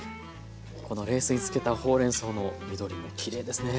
この冷水につけたほうれんそうの緑もきれいですね。